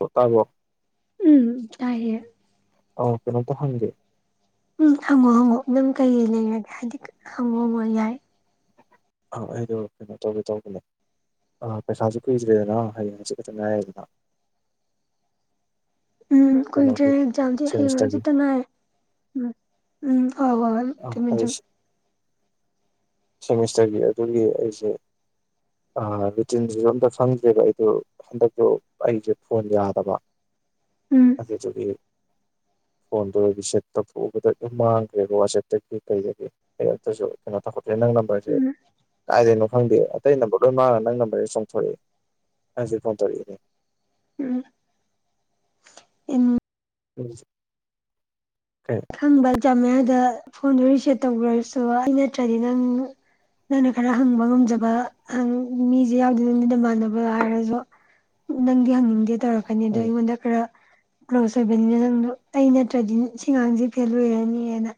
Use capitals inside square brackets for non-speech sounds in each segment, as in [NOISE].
ꯑꯣ ꯇꯥꯕ꯭ꯔꯣ ꯎꯝ ꯇꯥꯏꯌꯦ ꯑꯧ ꯀꯩꯅꯣꯝꯇ ꯍꯪꯒꯦ ꯎꯝ ꯍꯪꯉꯣ ꯍꯪꯉꯣ ꯅꯪ ꯀꯔꯤ ꯂꯩꯔꯒꯦ ꯍꯥꯏꯗꯤ ꯍꯪꯉꯣ ꯍꯪꯉꯣ ꯌꯥꯏ ꯑꯥ ꯑꯩꯗꯣ ꯀꯩꯅꯣ ꯇꯧꯒꯦ ꯇꯧꯕꯅꯦ ꯥ ꯑꯥ ꯄꯩꯈꯥꯁꯨ ꯀꯨꯏꯗ꯭ꯔꯦꯗꯅ ꯍꯌꯦꯡ ꯍꯪꯆꯤꯠ ꯈꯛꯇ ꯉꯥꯔꯦꯗꯅ ꯎꯝ ꯀꯨꯢꯗ꯭ꯔꯦ ꯑꯦꯛꯖꯥꯝꯗꯤ ꯍꯌꯦꯡ ꯍꯪꯆꯤꯠꯇ ꯉꯥꯢꯔꯦ ꯎꯝ ꯎꯝ ꯍꯣꯢ ꯍꯣꯢ ꯑ ꯆꯨꯝꯃꯦ ꯑꯩ ꯆꯨꯝꯃꯦ ꯁꯦꯃꯤꯁꯇꯔꯒꯤ ꯑꯗꯨꯒꯤ ꯑꯩꯖꯦ ꯑꯥ ꯔꯨꯇꯤꯟꯗꯨꯁꯨ ꯑꯃꯇ ꯐꯪꯗ꯭ꯔꯦꯕ ꯑꯩꯗꯣ ꯍꯟꯗꯛꯇꯨ ꯑꯩꯁꯦ ꯐꯣꯟ ꯌꯥꯗꯕ ꯎꯝ ꯑꯗꯨꯗꯨꯒꯤ ꯐꯣꯟꯗꯣ ꯔꯤꯁꯦꯠ ꯇꯧꯊꯣꯛꯎꯕꯗ ꯂꯣꯢ ꯃꯥꯡꯈ꯭ꯔꯦꯕ ꯋꯥꯆꯦꯞꯇꯒꯤ ꯀꯩꯗꯒꯤ ꯑꯩ ꯑꯝꯇꯁꯨ ꯀꯩꯅꯣ ꯇꯧꯍꯧ ꯗꯩ ꯅꯪ ꯅꯝꯕꯔꯁꯦ ꯎꯝ ꯀꯥꯏꯗꯒꯤꯅꯣ ꯈꯪꯗꯦ ꯑꯇꯩ ꯅꯝꯕꯔ ꯂꯣꯏ ꯃꯥꯡꯉꯒ ꯅꯪ ꯅꯝꯕꯔꯁꯦ ꯆꯣꯡꯊꯣꯔꯛꯑꯦ ꯑꯩ ꯍꯧꯖꯤꯛ ꯐꯣꯟ ꯇꯔꯛꯏꯅꯦ ꯎꯝ ꯏꯝ ꯑꯩꯖꯦ ꯈꯪꯕ ꯑꯦꯛꯖꯥꯝ ꯃꯌꯥꯗ ꯐꯣꯟꯗꯣ ꯔꯤꯁꯦꯞ ꯇꯧꯈ꯭ꯔꯁꯨ ꯑꯩ ꯅꯠꯇ꯭ꯔꯗꯤ ꯅꯪ ꯅꯪꯅ ꯈꯔ ꯍꯪꯕ ꯉꯝꯖꯕ ꯑꯪ ꯃꯤꯁꯦ ꯌꯥꯎꯗꯦꯅꯦ ꯅꯣꯢ ꯅꯃꯥꯟꯅꯕ ꯍꯥꯏꯔꯁꯨ ꯅꯪꯗꯤ ꯍꯪꯅꯤꯡ ꯉꯗꯤ ꯇꯧꯔꯛꯀꯅꯤ ꯑꯗꯣ ꯎꯝ ꯑꯩꯉꯣꯟꯗ ꯈꯔ ꯀ꯭ꯂꯣꯁ ꯑꯣꯏꯕꯅꯤꯅ ꯅꯪꯗꯣ ꯑꯩ ꯅꯠꯇ꯭ꯔꯗꯤ ꯁꯤꯉꯥꯡꯖꯦ ꯐꯦꯜ ꯑꯣꯏꯔꯅꯤꯅ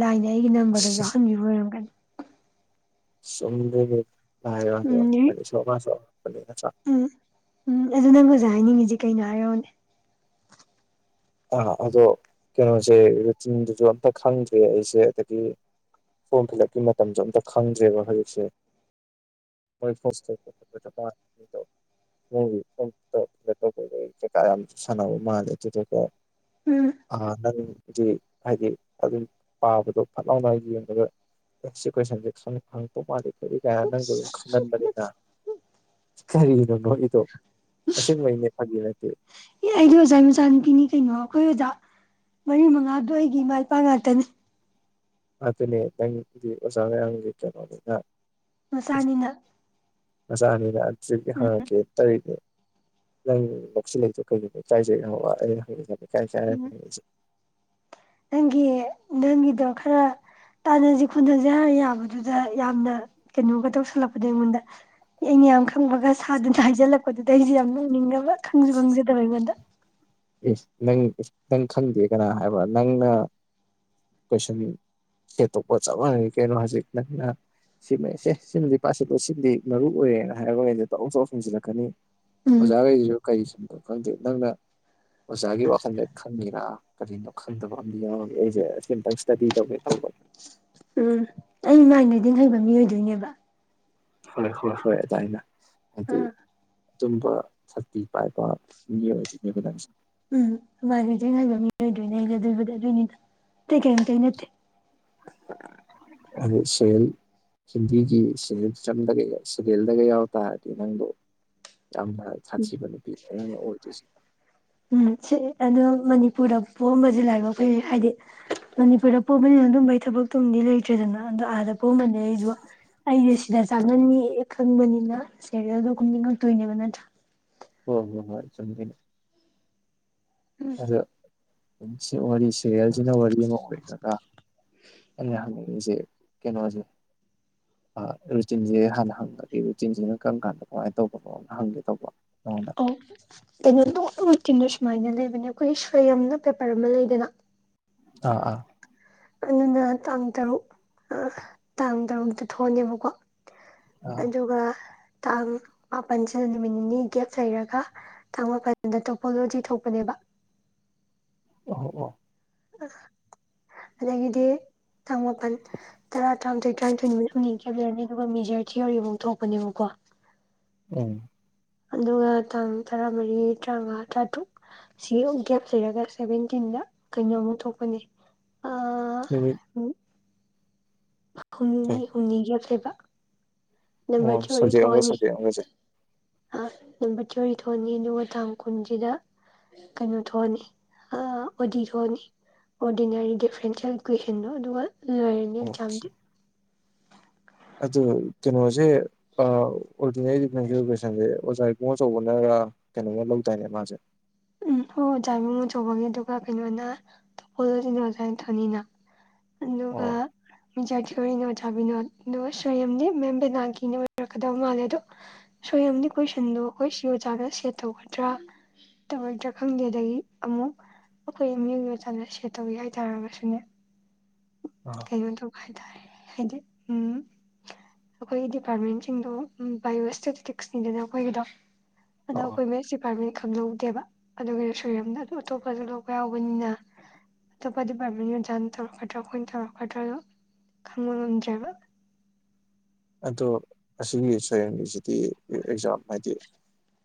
ꯂꯥꯏꯅ ꯑꯩꯒꯤ ꯅꯝꯕꯔꯗꯣ ꯌꯥꯎꯍꯟꯕꯤꯕ ꯑꯣꯏꯔꯝꯒꯅꯤ ꯆꯨꯝꯗꯣꯢꯅꯦ ꯂꯥꯢ ꯃꯥꯁꯨ ꯎꯝ ꯑꯉꯛꯄꯅꯦ ꯏꯁꯣꯔ ꯃꯥꯁꯨ ꯑꯉꯛ ꯑꯗꯨꯅꯦ ꯅꯠꯇ꯭ꯔꯥ ꯑꯗ ꯍꯥꯏꯅꯤꯡꯉꯁꯦ ꯀꯩꯅꯣ ꯍꯥꯏꯔꯛꯑꯣꯅꯦ ꯑꯥ ꯑꯗꯣ ꯀꯩꯅꯣꯁꯦ ꯔꯨꯇꯤꯟꯗꯨꯁꯨ ꯑꯝꯇ ꯈꯪꯗ꯭ꯔꯦ ꯑꯩꯁꯦ ꯑꯗꯒꯤ ꯐꯣꯔꯝ ꯐꯤꯜ ꯑꯞꯀꯤ ꯃꯇꯝꯁꯨ ꯑꯝꯇ ꯈꯪꯗ꯭ꯔꯦꯕ ꯍꯧꯖꯤꯛꯁꯦ ꯍꯣꯢ [UNINTELLIGIBLE] ꯅꯪꯒꯤ ꯐꯣꯔꯝ ꯐꯤꯜꯑꯞ ꯇꯧꯕꯒꯤ ꯀꯩꯀꯥ ꯌꯥꯝ ꯁꯥꯟꯅꯕ ꯃꯥꯜꯂꯦ ꯑꯗꯨꯗꯨꯒ ꯎꯝ ꯑꯥ ꯅꯪ ꯗꯤ ꯍꯥꯏꯗꯤ ꯑꯗꯨꯝ ꯄꯥꯕꯗꯣ ꯐꯠ ꯂꯥꯎꯅ ꯌꯦꯡꯉꯒ ꯑꯦꯁ ꯁꯤ ꯀꯣꯏꯁꯟꯁꯦ ꯍꯪ ꯍꯪꯔꯛꯇꯧ ꯃꯥꯜꯂꯤ ꯈꯣꯠꯂꯤ ꯍꯥꯢꯔ ꯅꯪꯗꯣ ꯑꯗꯨꯝ ꯈꯪꯒꯟꯕꯅꯦ ꯀꯔꯤꯅꯣ ꯅꯣꯛꯏꯗꯣ ꯑꯁꯤꯕꯩꯅꯦ ꯐꯪꯒꯤ ꯅꯠꯇꯦ ꯑꯦ ꯏꯗꯣꯝꯆꯥꯒꯤ ꯃꯆꯥꯅꯨꯄꯤꯅꯤ ꯀꯩꯅꯣ ꯑꯩꯈꯣꯏ ꯑꯣꯖꯥ ꯃꯔꯤ ꯃꯉꯥꯗꯣ ꯑꯩꯒꯤ ꯏꯃꯥ ꯏꯄꯥ ꯉꯥꯛꯇꯅꯦ ꯑꯗꯨꯅꯦ ꯅꯪꯗꯤ ꯑꯣꯖꯥ ꯃꯌꯥꯝꯒꯤ ꯀꯩꯅꯣꯅꯤꯅ ꯃꯆꯥꯅꯤꯅ ꯃꯆꯥꯅꯤꯅ ꯑꯗꯨꯗꯨꯒꯤ ꯍꯥꯡꯉꯛꯀꯦꯅ ꯇꯧꯔꯤꯅꯦ ꯅꯪ ꯅꯣꯛꯁꯤꯜꯂꯤꯗꯣ ꯀꯩꯒꯤꯅꯣ ꯏꯀꯥꯏꯖꯩ ꯍꯥꯏꯕ ꯎꯝ [UNINTELLIGIBLE] ꯅꯪꯒꯤ ꯅꯪꯒꯤꯗꯣ ꯈꯔ ꯇꯥꯟꯅꯁꯤ ꯈꯣꯟꯅꯁꯤ ꯍꯥꯏꯔ ꯌꯥꯕꯗꯨꯗ ꯌꯥꯝꯅ ꯀꯩꯅꯣꯒ ꯇꯧꯁꯜꯂꯛꯄꯗꯣ ꯑꯩꯉꯣꯟꯗ ꯑꯩꯅ ꯌꯥꯝ ꯈꯪꯕꯒ ꯁꯥꯗꯅ ꯍꯥꯏꯖꯜꯂꯛꯄꯗꯨꯗ ꯑꯩꯁꯦ ꯌꯥꯝ ꯅꯣꯛꯅꯤꯡꯉꯕ ꯈꯪꯁꯨ ꯈꯪꯖꯗꯕ ꯑꯩꯉꯣꯟꯗ ꯑꯦ ꯅꯪ ꯅꯪ ꯈꯪꯗꯦ ꯀꯅꯥ ꯍꯥꯏꯕ ꯅꯪꯅ ꯀꯣꯏꯁꯟ [UNINTELLIGIBLE] ꯆꯞ ꯃꯥꯟꯅꯔꯦ ꯀꯩꯅꯣ ꯍꯖꯤꯛ ꯅꯪꯅ ꯁꯤꯃ ꯁꯦ ꯁꯤꯃꯗꯤ ꯄꯥꯁꯤꯜꯂꯣ ꯁꯤꯃꯗꯤ ꯃꯔꯨ ꯑꯣꯏꯔꯦꯅ ꯍꯥꯏꯕꯒꯩꯗꯣ ꯇꯣꯛ ꯇꯣꯛ ꯍꯪꯖꯤꯜꯂꯛꯀꯅꯤ ꯎꯝ ꯑꯣꯖꯥꯍꯩꯁꯤꯁꯨ ꯀꯔꯤ ꯁꯨꯝꯕꯗꯣ ꯈꯪꯗꯦ ꯅꯪꯅ ꯑꯣꯖꯥꯒꯤ ꯋꯥꯈꯜꯗ ꯈꯪꯉꯦꯔꯥ ꯀꯔꯤꯅꯣ ꯈꯪꯗꯕ ꯑꯃꯗꯤ ꯌꯥꯎꯔꯤꯑꯦ ꯑꯩꯁꯦ ꯑꯁꯤꯝꯇꯪ ꯏꯁꯇꯗꯤ ꯇꯧꯒꯦ ꯇꯧ [INAUDIBLE] ꯎꯝ ꯑꯩ ꯃꯥꯢꯟ ꯔꯤꯗꯤꯡ ꯍꯩꯕ ꯃꯤ ꯑꯣꯏꯗꯣꯏꯅꯦꯕ ꯍꯣꯏ ꯍꯣꯏ ꯍꯣꯏ ꯑꯗꯥꯢꯅ ꯑꯗꯤ ꯑꯗꯨꯝꯕ ꯁꯛꯇꯤ ꯄꯥꯏꯕ ꯃꯤ ꯑꯣꯏꯗꯣꯢꯅꯦꯕ ꯅꯪꯁꯦ ꯎꯝ ꯃꯥꯢꯟ ꯔꯤꯗꯤꯡ ꯍꯩꯕ ꯃꯤ ꯑꯣꯏꯗꯣꯏꯅꯦ ꯑꯩꯗꯤ ꯑꯗꯨꯕꯨꯗꯤ ꯑꯗꯨꯏꯅꯤꯗ ꯑꯇꯩ ꯀꯩꯝꯇ ꯅꯠꯇꯦ [UNINTELLIGIBLE] ꯑꯗꯣ ꯁꯦꯜ ꯍꯤꯟꯗꯤꯒꯤ ꯁꯦꯔꯦꯜ ꯆꯝꯗꯒ ꯁꯦꯔꯤꯌꯦꯜꯗꯒ ꯌꯥꯎ ꯇꯥꯔꯗꯤ ꯅꯪꯕꯨ ꯎꯝ ꯑꯗꯣ ꯃꯅꯤꯄꯨꯔꯗ ꯄꯣꯑꯝꯕꯁꯦ ꯂꯥꯢꯕꯛ ꯐꯩ ꯍꯥꯏꯗꯤ ꯃꯅꯤꯄꯨꯔꯗ ꯄꯣꯝꯄꯅꯤꯅ ꯑꯗꯨꯝꯕꯩ ꯊꯕꯛꯇꯨꯝꯗꯤ ꯂꯩꯇ꯭ꯔꯦꯗꯅ ꯑꯗꯣ ꯑꯥꯗ ꯕꯣꯛꯑꯝꯃ ꯂꯗꯤ ꯑꯩꯁꯨ ꯁꯤꯗ ꯆꯥꯖꯅꯤ ꯌꯦ ꯈꯪꯕꯅꯤꯅ ꯁꯦꯔꯤꯌꯦꯜꯗꯣ ꯀꯨꯝꯅꯤꯡꯉꯛꯇꯣꯏꯅꯦꯕ ꯅꯠꯇ꯭ꯔꯥ ꯍꯣꯏ ꯍꯣꯏ ꯍꯣꯏ ꯆꯨꯝꯗꯣꯏꯅꯤ ꯑꯗꯣ ꯄꯨꯟꯁꯤ ꯋꯔꯤ ꯁꯦꯔꯦꯜꯁꯤꯅ ꯋꯥꯔꯤ ꯑꯃ ꯑꯣꯏꯈ꯭ꯔꯒ ꯑꯩꯅ ꯍꯪꯅꯤꯡꯉꯤꯁꯦ ꯀꯩꯅꯣꯁꯦ ꯔꯨꯇꯤꯟꯁꯦ ꯍꯥꯟꯅ ꯍꯪꯉꯒꯦ ꯔꯨꯇꯤꯟꯁꯤꯅ ꯀꯔꯝ ꯀꯥꯟꯗ ꯀꯃꯥꯏꯅ ꯇꯧꯕꯅꯣꯗ ꯍꯪꯒꯦ ꯇꯧꯕ ꯅꯉꯣꯟꯗ ꯑꯣ ꯀꯩꯅꯣ ꯇꯧ ꯔꯨꯇꯤꯟ ꯁꯦ ꯁꯨꯃꯥꯏꯅ ꯂꯩꯕꯅꯦ ꯑꯩꯈꯣꯏꯒꯤ ꯁꯣꯏꯌꯝꯗ ꯄꯔꯥꯃꯔꯤ ꯑꯃ ꯂꯩꯗꯅ ꯑꯥ ꯑꯥ ꯑꯗꯨꯅ ꯇꯥꯡ ꯇꯔꯨꯛ ꯇꯥꯡ ꯇꯔꯨꯛꯇ ꯊꯣꯛꯑꯅꯦꯕꯀꯣ ꯑꯥ ꯑꯗꯨꯒ ꯇꯥꯡ ꯃꯥꯄꯜꯁꯤꯗ ꯅꯨꯃꯤꯠ ꯅꯤꯅꯤ ꯒꯦꯞ ꯂꯩꯔꯒ ꯇꯥꯡ ꯃꯥꯄꯜꯗ ꯇꯣꯄꯣꯂꯣꯖꯤ ꯊꯣꯛꯄꯅꯦꯕ ꯑꯣ ꯑꯣ ꯑꯗꯒꯤꯗꯤ ꯇꯥꯡ ꯃꯥꯄꯟ ꯇꯔꯥ ꯇꯔꯥꯃꯊꯣꯏ ꯇꯔꯥꯅꯤꯊꯣꯏ ꯅꯨꯃꯤꯠ ꯍꯨꯝꯅꯤ ꯑꯗꯒꯤ ꯑꯗꯨꯒ ꯃꯦꯖꯔ ꯊꯤꯑꯣꯔꯤ ꯑꯃꯨꯛ ꯊꯣꯛꯄꯅꯦꯕꯀꯣ ꯎꯝ ꯑꯗꯨꯒ ꯇꯥꯡ ꯇꯔꯥꯃꯔꯤ ꯇ꯭ꯔꯉꯥ ꯇ꯭ꯔꯥꯇ꯭ꯔꯨꯛ ꯁꯤ [UNINTELLIGIBLE] ꯒꯦꯞ ꯂꯩꯔꯒ ꯁꯚꯦꯟꯇꯤꯟ [UNINTELLIGIBLE] ꯀꯩꯅꯣꯝꯃ ꯊꯣꯛꯄꯅꯦ [UNINTELLIGIBLE] ꯀꯩ ꯍꯨꯝꯅꯤꯅꯤ ꯍꯨꯝꯅꯤ ꯒꯦꯞ ꯂꯩꯕ ꯅꯝꯕꯔ ꯑꯣ ꯊꯤꯑꯣꯔꯤ ꯁꯕꯖꯦꯛ ꯑꯃꯒ ꯊꯣꯛꯑꯅꯤ ꯁꯕꯖꯦꯛ ꯑꯃꯒꯁꯦ ꯑ ꯅꯝꯕ ꯊꯤꯑꯣꯔꯤ ꯊꯣꯛꯑꯅꯤ ꯑꯗꯨꯒ ꯇꯥꯡ ꯀꯨꯟꯁꯤꯗ ꯀꯩꯅꯣ ꯊꯣꯛꯑꯅꯤ ꯑ ꯑꯣꯗꯤ ꯊꯣꯛꯑꯅꯤ ꯑꯣꯔꯗꯤꯅꯔꯤ ꯗꯤꯐ꯭ꯔꯦꯟꯁꯤꯌꯦꯜ ꯏꯀ꯭ꯋꯦꯁꯟꯗꯣ ꯑꯗꯨꯒ ꯂꯣꯏꯔꯅꯤ ꯑꯣꯀꯦ ꯑꯦꯛꯖꯥꯝꯗꯤ ꯑꯗꯨ ꯀꯩꯅꯣꯖꯦ ꯑ ꯑꯣꯔꯗꯤꯅꯔꯤ ꯗꯤꯐ꯭ꯔꯦꯟꯁꯦꯜ ꯏꯀ꯭ꯋꯦꯁꯟꯁꯦ ꯑꯣꯖꯥ ꯏꯕꯨꯡꯉꯣ ꯆꯧꯕꯅꯔ ꯀꯩꯅꯣꯃ ꯂꯧꯗꯥꯢꯅꯦ ꯃꯥꯁꯦ ꯎꯝ ꯍꯣꯢꯍꯣꯢ ꯑꯣꯖꯥ ꯏꯕꯨꯡꯉꯣꯆꯧꯕꯒꯤꯗꯨꯒ ꯀꯩꯅꯣꯅ [UNINTELLIGIBLE] ꯊꯅꯤꯅ ꯑꯗꯨꯒ ꯑꯣ [UNINTELLIGIBLE] ꯀꯣꯔꯤꯅꯣ ꯆꯥꯕꯤꯅꯣ ꯑꯗꯨꯒ ꯁꯣꯏꯌꯝꯗꯤ ꯃꯦꯝ ꯕꯦꯅꯥꯒꯤꯅꯦ ꯑꯣꯏꯔꯛꯀꯗꯕ ꯃꯥꯜꯂꯦ ꯑꯗꯣ ꯁꯣꯏꯌꯝꯗꯤ ꯀꯣꯏꯁꯟꯗꯣ ꯑꯈꯣꯏ ꯁꯤ ꯑꯣꯖꯥꯗ ꯁꯦꯠ ꯇꯧꯒꯗ꯭ꯔꯥ ꯇꯧꯔꯣꯏꯗ꯭ꯔ ꯈꯪꯗꯦ ꯑꯗꯒꯤ ꯑꯃꯨꯛ ꯑꯈꯣꯏ [UNINTELLIGIBLE] ꯁꯦꯠ ꯇꯧꯋꯦ ꯍꯥꯏꯇꯥꯔꯒꯁꯨꯅꯦ ꯑ ꯀꯩꯅꯣ ꯇꯧꯕ ꯍꯥꯏꯇꯥꯔꯦ ꯍꯥꯏꯗꯤ ꯎꯝ ꯑꯈꯣꯏꯒꯤ ꯗꯤꯄꯥꯔꯠꯃꯦꯟꯁꯤꯡꯗꯣ ꯎꯝ ꯕꯥꯏꯑꯣꯑꯦꯁ ꯁ꯭ꯇꯦꯇꯤꯛꯁꯅꯤꯗꯅ ꯑꯈꯣꯏꯒꯤꯗꯣ ꯑꯣ ꯑꯗꯈꯣꯏ ꯃꯦꯁꯤꯞ ꯄꯔꯃꯤꯠ [UNINTELLIGIBLE] ꯗꯦꯕ ꯑꯗꯨꯒꯤ ꯁꯣ [UNINTELLIGIBLE] ꯑꯗꯨ ꯑꯇꯣꯞꯄꯁꯨ ꯂꯧꯕ ꯌꯥꯎꯕꯅꯤꯅ ꯑꯇꯣꯞꯄ ꯗꯤꯄꯔꯥꯠꯃꯦꯟꯗ ꯑꯣꯖꯥ [UNINTELLIGIBLE] [UNINTELLIGIBLE] ꯇꯥꯔꯛꯀꯗ꯭ꯔꯥꯅ ꯈꯪꯕ ꯉꯝꯗ꯭ꯔꯦꯕ ꯑꯗꯣ ꯑꯁꯤꯒꯤ ꯁꯣꯌꯝꯒꯤꯁꯤꯗꯤ ꯑꯦꯛꯖꯥꯝ ꯍꯥꯏꯗꯤ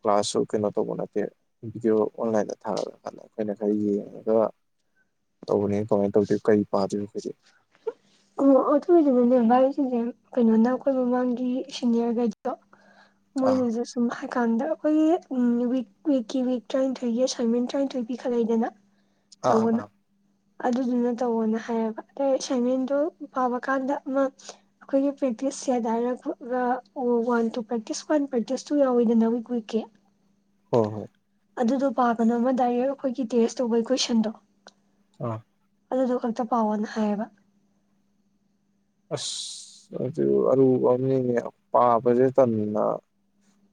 ꯀ꯭ꯂꯥꯁꯁꯨ ꯀꯩꯅꯣ ꯇꯧꯕ ꯅꯠꯇꯦ ꯚꯤꯗꯤꯑꯣ ꯑꯣꯟꯂꯥꯏꯟꯗ ꯊꯥ [UNINTELLIGIBLE] ꯑꯩꯈꯣꯏꯅ ꯈꯔ ꯌꯦꯡꯉꯒ ꯇꯧꯕꯅꯦ ꯀꯃꯥꯏ ꯇꯧꯗꯣꯢ ꯀꯔꯤ ꯄꯥꯗꯣꯏꯅꯣ [UNINTELLIGIBLE] ꯑꯣ ꯑ [UNINTELLIGIBLE] ꯀꯩꯅꯣꯅ ꯑꯈꯣꯏ ꯃꯃꯥꯡꯒꯤ ꯁꯤꯅꯤꯌꯔ ꯒꯩꯗꯣ ꯑꯥ ꯃꯣꯏꯅꯁꯨ ꯁꯨꯍꯥꯏ ꯀꯥꯟꯗ ꯑꯈꯣꯏꯒꯤ ꯎꯝ ꯋꯤꯛ ꯋꯤꯛꯀꯤ ꯋꯤꯛ ꯇ꯭ꯔꯥꯢꯊꯣꯏꯒꯤ ꯑꯦꯁꯥꯏꯟꯃꯦꯟ ꯇ꯭ꯔꯥꯢꯊꯣꯏ ꯄꯤꯈꯠꯂꯛꯏꯗꯅ ꯑꯥ ꯑ ꯇꯧꯑꯣꯅ ꯑꯗꯨꯗꯨꯅ ꯇꯧꯋꯣꯅ ꯍꯥꯏꯌꯦꯕ ꯑꯗ ꯑꯦꯁꯥꯏꯟꯃꯦꯟ ꯑꯗꯨ ꯄꯥꯕ ꯀꯥꯟꯗ ꯑꯃ ꯑꯩꯈꯣꯏꯒꯤ ꯄ꯭ꯔꯦꯛꯇꯤꯁ ꯁꯦꯗ ꯍꯥꯏꯔ ꯈ ꯋꯥꯟ ꯇꯨ ꯄ꯭ꯔꯇꯤ ꯏꯁ ꯋꯥꯟ ꯄ꯭ꯔꯇꯤꯁꯇꯨ ꯌꯥꯎꯋꯤꯗꯅ ꯃꯨꯛ ꯈꯣꯢꯒꯤ ꯍꯣꯏ ꯍꯣꯏ ꯑꯗꯨꯗꯣ ꯄꯥꯒꯅꯣꯕ ꯗꯥꯏꯔꯦꯛ ꯑꯩꯈꯣꯏꯒꯤ ꯇꯦꯁ ꯇꯧꯕꯒꯤ ꯀꯣꯏꯁꯟꯗꯣ ꯑꯥ ꯑꯗꯨꯗꯣ ꯈꯛꯇ ꯄꯥꯎꯋꯣꯅ ꯍꯥꯏꯌꯦꯕ ꯑꯁ ꯑꯗꯨ ꯑꯔꯨꯕ ꯑꯃꯅꯤꯅꯦ ꯄꯥꯕꯁꯦ ꯇꯟꯕ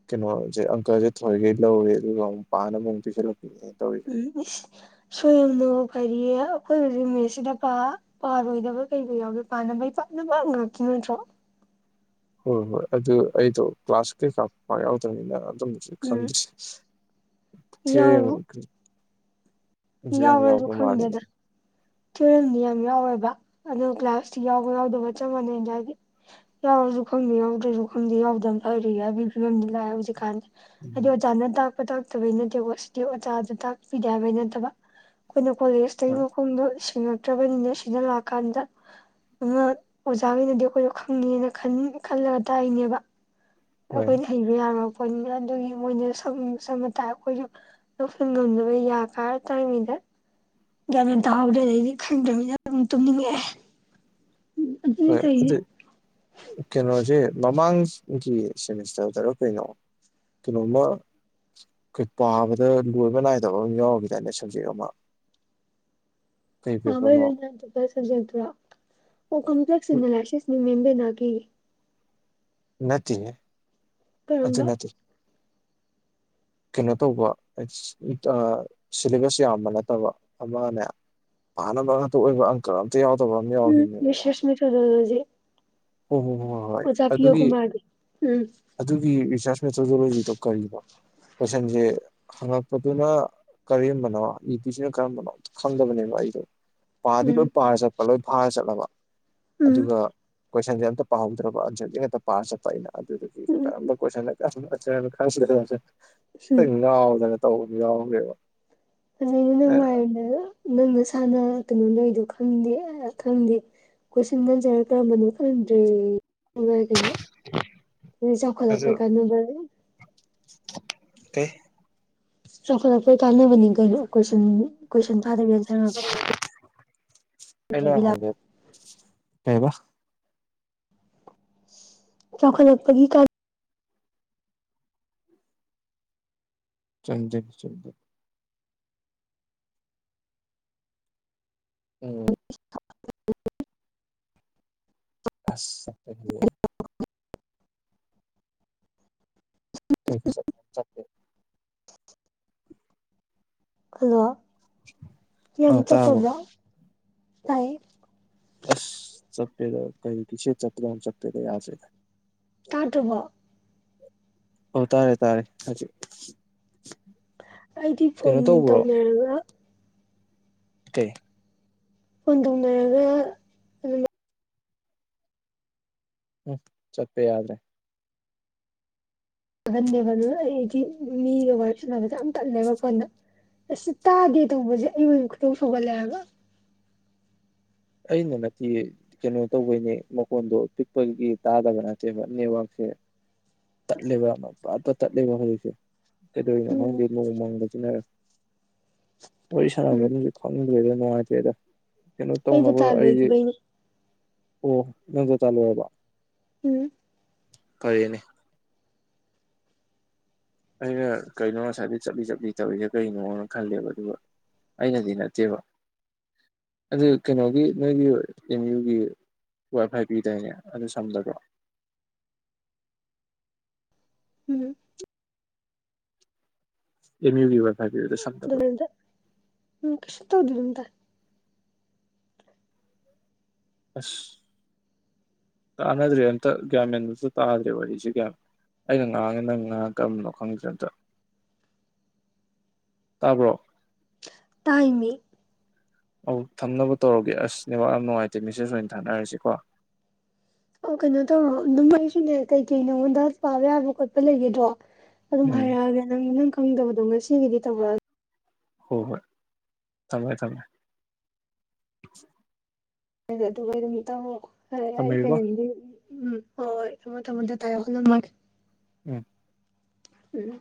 ꯀꯩꯅꯣꯖꯦ ꯑꯪꯀꯁꯦ ꯊꯋꯣꯏꯒꯤ ꯂꯧꯔꯦ ꯑꯗꯨꯒ ꯑꯃꯨꯛ ꯄꯥꯅꯕꯃꯨꯛ ꯄꯤꯁꯜꯂꯛꯄꯤꯅꯦ ꯇꯧꯔꯤꯁꯦ ꯎꯝ ꯢꯁ [UNINTELLIGIBLE] ꯀꯔꯤꯌꯦ ꯑꯈꯣꯏ ꯍꯧꯖꯤꯛ ꯃꯦꯠꯁꯁꯤꯗ ꯄꯥ ꯄꯥꯔꯣꯏꯗꯕ ꯀꯩꯕꯨ ꯌꯥꯎꯒꯦ ꯄꯥꯅꯕꯩ ꯄꯥ ꯅ [UNINTELLIGIBLE] ꯉꯥꯛꯇ ꯅꯠꯇ꯭ꯔꯣ ꯍꯣꯏ ꯍꯣꯏ ꯑꯗꯨ ꯑꯩꯗꯣ ꯀ꯭ꯂꯥꯁ ꯀꯩꯀꯥ ꯄꯥꯛ ꯌꯥꯎꯗꯕꯅꯤꯅ ꯑ [UNINTELLIGIBLE] ꯎꯝ ꯈꯪꯗ꯭ꯔꯦ ꯌꯥꯎꯕꯨ [UNINTELLIGIBLE] ꯌꯥꯎꯔꯁꯨ ꯃꯥꯜꯂꯤꯅꯦ ꯈꯪꯗꯦꯗ ꯊꯤꯑꯣꯔꯝꯗꯤ ꯌꯥꯝ ꯌꯥꯎꯔꯣꯢꯕ ꯑꯗꯣ ꯀ꯭ꯂꯥꯁꯇꯤ ꯌꯥꯎꯕ ꯌꯥꯎꯗꯕ ꯆꯞ ꯃꯥꯟꯅꯩ [UNINTELLIGIBLE] ꯌꯥꯎ ꯑꯩꯁꯨ ꯈꯪꯗꯦ ꯌꯥꯎꯗ꯭ꯔꯁꯨ ꯈꯪꯗꯦ ꯌꯥꯎꯗꯕꯅ ꯐꯔꯦ ꯍꯥꯏꯕꯤ ꯐꯤꯕꯝꯗ ꯂꯥꯛꯑꯦ ꯍꯧꯖꯤꯛꯀꯥꯟꯗ ꯍꯥꯏꯗꯤ ꯎꯝ ꯑꯣꯖꯥꯅ ꯇꯥꯛꯄ ꯇꯥꯛꯇꯕꯩ ꯅꯠꯇꯦꯀꯣ ꯁꯤꯗꯤ ꯑꯣꯖꯥꯗ ꯇꯥꯛꯄꯤꯗꯦ ꯍꯥꯏꯕꯩ ꯅꯠꯇꯕ ꯑꯩꯈꯣꯏꯅ ꯀꯣꯂꯦꯖꯇꯒꯤ ꯍꯣꯏ ꯃꯈꯣꯡꯗꯣ ꯁꯦꯡꯉꯛꯇ꯭ꯔꯕꯅꯤꯅ ꯁꯤꯗ ꯂꯥꯛꯑꯀꯥꯟꯗ ꯑꯗꯨꯅ ꯑꯣꯖꯥꯒꯩꯅꯗꯤ ꯑꯩꯈꯣꯏꯗꯣ ꯈꯪꯉꯤꯅ ꯈꯟ ꯈꯜꯂꯒ ꯇꯥꯛꯏꯅꯦꯕ ꯍꯣꯏ ꯑꯩꯈꯣꯏꯗꯤ ꯍꯩꯕ ꯌꯥꯔꯣꯏ ꯑꯗꯨꯒꯤ ꯃꯣꯏꯅ ꯁꯝ ꯁꯝꯃ ꯇꯥꯛꯑꯦ ꯑꯩꯈꯣꯏꯁꯨ ꯂꯧꯁꯤꯟ ꯉꯝꯗꯕꯩ ꯌꯥ ꯀꯥꯔ ꯇꯥꯔꯤꯉꯩꯗ [INAUDIBLE] ꯒ꯭ꯌꯥꯟ ꯃꯦꯟ ꯇꯥꯍꯧꯗꯦ ꯑꯗꯩꯗꯤ ꯈꯪꯗ꯭ꯔꯕꯅꯤꯅ ꯑꯗꯨꯝ ꯇꯨꯝꯅꯤꯡꯉꯛꯑꯦ ꯑꯗꯨꯅꯤ ꯍꯣꯏ ꯑꯗꯨ ꯇꯧꯔꯤꯁꯦ ꯀꯩꯅꯣꯁꯦ ꯃꯃꯥꯡ ꯒꯤ ꯁꯦꯃꯤꯁꯇꯔꯗꯔ ꯀꯩꯅꯣ ꯀꯩꯅꯣꯃ ꯑꯩꯈꯣꯏ ꯄꯥꯕꯗ ꯂꯣꯏꯕ ꯅꯥꯏꯗꯕ ꯑꯃ ꯌꯥꯎꯈꯤꯗꯥꯏꯅꯦ ꯁꯕꯖꯦꯛ ꯑꯃ ꯀꯩ ꯄꯥꯕꯩ ꯄꯦꯄꯔꯅꯣ ꯂꯣꯢ ꯅꯥꯢꯗꯕ ꯁꯕꯖꯦꯛꯇꯨꯔꯣ ꯑꯣ ꯀꯝꯄ꯭ꯂꯦꯛꯁ ꯑꯦꯅꯂꯥꯢꯁꯤꯁꯅꯦ ꯃꯦꯝ ꯕꯤꯅꯥꯒꯤ ꯅꯠꯇꯦꯍꯦ ꯑꯗꯨ ꯀꯔꯝꯕ ꯅꯠꯇꯦ ꯀꯩꯅꯣ ꯇꯧꯕ ꯑꯁ ꯑꯥ ꯁꯤꯂꯦꯕꯁ ꯌꯥꯝꯕ ꯅꯠꯇꯕ ꯑꯃꯅꯦ ꯄꯥꯅꯕ ꯉꯥꯛꯇ ꯑꯣꯏꯕ ꯑꯪꯀ ꯑꯝꯇ ꯌꯥꯎꯗꯕ ꯑꯃ ꯎꯝ ꯌꯥꯎꯈꯤꯕꯅꯦ ꯔꯤꯁꯔꯁ ꯃꯃꯥꯡꯗ ꯃꯦꯊꯣꯗꯣꯂꯣꯖꯤ ꯍꯣꯏ ꯍꯣꯏ ꯍꯣꯏ ꯍꯣꯏ ꯍꯣꯏ ꯑꯣꯖꯥ ꯄꯤꯌꯣ ꯑꯗꯨꯗꯤ ꯀꯨꯃꯥꯔꯒꯤ ꯎꯝ ꯑꯗꯨꯒꯤ ꯔꯤꯁꯥꯔꯁ ꯃꯦꯊꯣꯗꯣꯂꯣꯖꯤꯗꯣ ꯀꯔꯤꯕ ꯀꯣꯢꯁꯟꯖꯦ ꯍꯪꯉꯛꯄꯗꯨꯅ ꯀꯔꯝꯕꯅꯣ ꯏꯗꯣꯢꯁꯤꯅ ꯀꯔꯝꯕꯅꯣ ꯈꯪꯗꯕꯅꯦꯕ ꯑꯩꯗꯣ ꯄꯥꯗꯤ ꯎꯝ ꯂꯣꯏ ꯄꯥꯔ ꯆꯠꯄ ꯂꯣꯏ ꯐꯥꯔ ꯆꯠꯂꯕ ꯎꯝ ꯑꯗꯨꯒ ꯀꯣꯏꯁꯟꯁꯦ ꯑꯝꯇ ꯄꯥꯍꯧꯗ꯭ꯔꯕ ꯑꯟꯁꯔꯗꯨ ꯉꯥꯛꯇ ꯄꯥꯔ ꯆꯠꯄ ꯑꯩꯅ ꯑꯗꯨꯗꯨꯒꯤ ꯎꯝ ꯀꯔꯝꯕ ꯀꯣꯏꯁꯟ ꯀꯔꯝꯕꯅ ꯑꯟꯁꯔꯅꯣ ꯈꯪꯗꯗꯅ ꯎꯝ ꯉꯥꯎꯗꯅ ꯇꯧꯕ ꯌꯥꯎꯈ꯭ꯔꯦꯕ ꯐꯖꯩꯅꯦ ꯅꯪ ꯑꯦ ꯋꯥꯔꯤꯗꯣ ꯅꯪ ꯅꯁꯥꯅ ꯀꯩꯅꯣ ꯂꯩ ꯗꯣ ꯈꯪꯗꯦ ꯑꯥ ꯈꯪꯗꯦ ꯀꯣꯏꯁꯟꯒ ꯑꯟꯁꯔꯒ ꯀꯔꯝꯕꯅꯣ ꯈꯪꯗ꯭ꯔꯦ ꯑꯗꯨꯃꯥꯏ ꯀꯩꯅꯣ ꯍꯧꯖꯤꯛ ꯑꯗꯨ ꯆꯥꯎꯈꯠꯂꯛꯄꯩ ꯀꯥꯟꯅꯕ ꯀꯩ ꯆꯥꯎꯈꯠꯂꯛꯄꯩ ꯀꯥꯟꯅꯕꯅꯤ ꯀꯩꯅꯣ ꯀꯣꯏꯁꯟ ꯀꯣꯏꯁꯟ ꯐꯥꯗꯕꯤ ꯑꯟꯁꯔ ꯉꯥꯛ ꯑꯩꯅ ꯍꯣꯏꯗꯣꯛ ꯀꯩꯕ ꯆꯥꯎꯈꯠꯂꯛꯄꯒꯤ ꯀꯥꯟ ꯆꯨꯝꯗꯩꯩꯅꯤ ꯆꯨꯝꯗꯩꯅꯤ ꯎꯝ ꯑꯁ ꯆꯠꯄꯕꯨ [UNINTELLIGIBLE] ꯀꯩ ꯈꯨꯆꯞꯅꯣ ꯆꯞꯄꯦ ꯍꯜꯂꯣ ꯑ ꯌꯥꯝ ꯇꯥꯔꯕꯣ ꯆꯞꯄꯕꯣ ꯇꯥꯢꯌꯦ ꯑꯁ ꯆꯄꯦꯗ ꯀꯩꯅꯣ ꯀꯦꯁꯦꯠ ꯆꯞꯄꯗꯧꯅ ꯆꯞꯄꯦꯗ ꯌꯥꯗ꯭ꯔꯦ ꯇꯥꯗ꯭ꯔꯕꯣ ꯑꯣ ꯇꯥꯔꯦ ꯇꯥꯔꯦ ꯍꯧꯖꯤꯛ ꯑꯩꯗꯤ ꯐꯣꯟ ꯀꯩꯅꯣ ꯇꯧꯕ꯭ꯔꯣ ꯇꯧꯅꯔꯒ ꯀꯩ ꯐꯣꯟꯇꯧꯅꯔꯒ ꯑꯗꯨꯝ ꯎꯝ ꯆꯠꯄ ꯌꯥꯗ꯭ꯔꯦ ꯇꯟꯒꯟꯗꯦꯕ ꯑꯗꯣ ꯑꯩꯗꯤ ꯃꯤꯒ ꯋꯥꯔꯤ ꯁꯅꯕꯁꯦ ꯌꯥꯝ ꯇꯜꯂꯦꯕ ꯐꯣꯟꯗ ꯑꯁ ꯇꯥꯗꯦ ꯇꯧꯕꯁꯦ ꯑꯩ ꯑꯣꯏꯅ ꯈꯣꯏꯗꯧ ꯁꯥꯎꯒꯠꯂꯦ ꯍꯥꯏꯕ [INAUDIBLE] ꯑꯩꯅ ꯅꯠꯇꯦ ꯀꯩꯅꯣ ꯇꯧꯕꯩꯅꯦ ꯃꯈꯣꯟꯗꯣ ꯄꯤꯛꯄꯒꯤ ꯇꯥꯗꯕ ꯅꯠꯇꯦꯕ ꯅꯦꯠꯋꯥꯛ ꯇꯠꯂꯦꯕ ꯄꯠ ꯄꯠ ꯇꯠꯂꯦꯕ ꯍꯧꯖꯤꯛꯁꯦ ꯀꯩꯗꯧꯔꯤꯅꯣ ꯎꯝ ꯈꯪꯗꯦ ꯅꯣꯡ ꯃꯪꯕꯖꯤꯅꯔ ꯋꯥꯔꯤ ꯎꯝ ꯁꯥꯟꯅꯕꯝꯁꯨ ꯈꯪꯗ꯭ꯔꯦꯗ ꯅꯨꯡꯉꯥꯏꯇꯦꯗ ꯑꯩꯗꯤ ꯗꯥꯇꯥ ꯂꯣꯏꯈꯤꯕꯒꯤꯅꯦ ꯑꯣ ꯅꯪ ꯗꯥꯇꯥ ꯂꯣꯏꯔꯕꯣ ꯎꯝ ꯐꯔꯦꯅꯦ ꯑꯩꯅ ꯀꯩꯅꯣ ꯉꯁꯥꯏꯗꯒꯤ ꯆꯞꯂꯤ ꯆꯞꯂꯤ ꯇꯧꯔꯤꯁꯦ ꯀꯩꯅꯣꯅ ꯈꯜꯂꯦꯕ ꯑꯗꯨꯒ ꯑꯩꯅꯗꯤ ꯅꯠꯇꯦꯕ ꯑꯗꯨ ꯀꯩꯅꯣꯒꯤ ꯅꯣꯏꯒꯤ ꯑꯦꯝ ꯌꯨꯒꯤ ꯋꯥꯏ ꯐꯥꯏ ꯄꯤꯗꯥꯏꯅꯦ ꯑꯗꯨ ꯁꯝꯗꯕ꯭ꯔꯣ ꯎꯝ ꯑꯦꯝ ꯌꯨꯒꯤ ꯋꯥꯏꯐꯥꯏ ꯄꯤꯕꯗꯨ ꯁꯝꯗꯕ꯭ꯔꯣ ꯑꯗꯨꯗ [UNINTELLIGIBLE] ꯑꯁ ꯇꯥꯟꯅꯗ꯭ꯔꯦ ꯑꯝꯇ ꯒ꯭ꯌꯥꯃꯦꯟꯗꯨꯁꯨ ꯇꯥꯗ꯭ꯔꯦ ꯋꯥꯔꯤꯁꯦ ꯒ꯭ꯌꯥꯟ ꯑꯩꯅ ꯉꯥꯡꯉꯦ ꯅꯪ ꯉꯥꯡ ꯀꯔꯝꯕꯅꯣ ꯈꯪꯗ꯭ꯔꯦ ꯑꯝꯇ ꯇꯕ꯭ꯔꯣ ꯇꯥꯏꯃꯤ ꯑꯧ ꯊꯝꯅꯕ ꯇꯧꯔꯒꯦ ꯑꯁ ꯅꯦꯋꯥꯛ ꯌꯥꯝ ꯅꯨꯡꯉꯥꯏꯇꯦ ꯃꯦꯁꯦꯁ ꯑꯣꯏꯅ ꯊꯥꯅꯔꯁꯤꯀꯣ ꯑꯣ ꯀꯩꯅꯣ ꯇꯧꯔꯣ ꯑꯗꯨꯝ ꯑꯩꯩꯁꯨꯅꯦ ꯀꯩꯀꯩ ꯅꯉꯣꯟꯗ ꯄꯥꯕ ꯌꯥꯕ ꯈꯣꯠꯄ ꯂꯩꯒꯦꯗꯣ ꯑꯗꯨꯝ ꯎꯝ ꯍꯥꯏꯔꯛꯑꯒꯦ ꯅꯪ ꯅꯪ ꯈꯪꯗꯕꯗꯣ ꯉꯁꯤꯒꯤꯗꯤ ꯇꯧꯔꯛꯑꯅꯨ ꯍꯣ ꯍꯣꯏ ꯊꯝꯃꯦ ꯊꯝꯃꯦ ꯑ ꯑꯗꯨ ꯑꯣꯏ ꯑꯗꯨ ꯇꯉꯣ ꯊꯝꯃꯒꯦꯀꯣ [UNINTELLIGIBLE] ꯎꯝ ꯍꯣꯏ ꯍꯣꯏ ꯊꯝꯃꯣ ꯊꯝꯃꯣ ꯗꯥꯇꯥ ꯌꯥꯎꯗꯅ ꯃꯥꯒꯤ ꯎꯝ ꯎꯝ